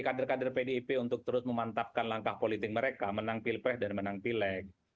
kader kader pdip untuk terus memantapkan langkah politik mereka menang pilpres dan menang pileg